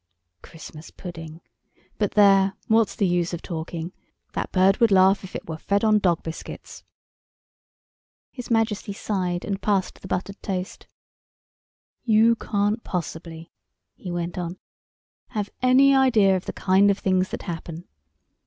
"Christmas pudding. But there—what's the use of talking—that bird would laugh if it were fed on dog biscuits." His Majesty sighed and passed the buttered toast. "You can't possibly," he went on, "have any idea of the kind of things that happen.